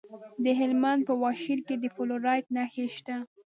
د هلمند په واشیر کې د فلورایټ نښې شته.